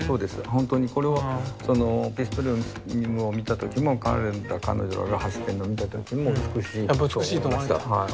本当にピストリウスを見た時も彼ら彼女らが走ってるのを見た時も美しいと思いました。